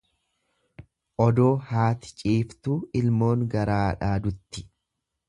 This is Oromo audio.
Odoo haati ciiftuu ilmoon garaadhaa dutti.